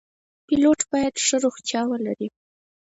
پیلوټ باید ښه روغتیا ولري.